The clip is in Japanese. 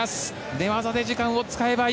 寝技で時間を使えばいい。